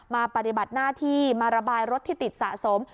ปฏิบัติหน้าที่มาระบายรถที่ติดสะสม